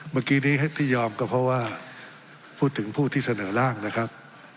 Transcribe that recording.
เมื่อกี้นี้ที่ยอมก็เพราะว่าพูดถึงผู้ที่เสนอร่างนะครับ